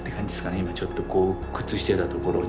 今ちょっとこう鬱屈してたところに。